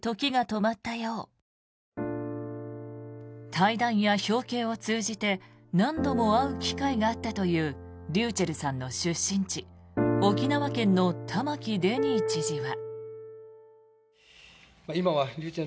対談や表敬を通じて何度も会う機会があったというｒｙｕｃｈｅｌｌさんの出身地沖縄県の玉城デニー知事は。